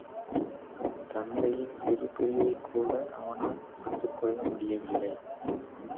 தத்தையின் சிறு பிரிவைக்கூட அவனால் பொறுத்துக்கொள்ள முடியவில்லை.